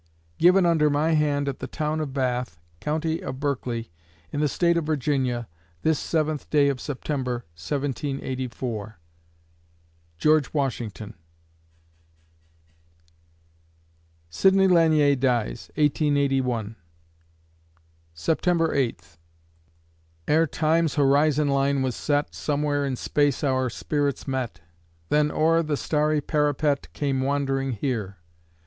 Given under my hand at the Town of Bath, County of Berkeley, in the State of Virginia, this 7th day of September, 1784. GEORGE WASHINGTON Sidney Lanier dies, 1881 September Eighth Ere Time's horizon line was set, Somewhere in space our spirits met, Then o'er the starry parapet Came wandering here.